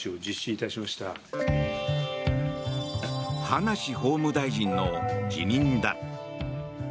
葉梨法務大臣の辞任だ。